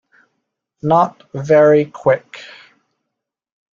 Not very Quick.